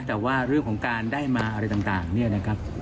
แต่ว่าเรื่องของการได้มาอะไรต่างเนี่ยนะครับ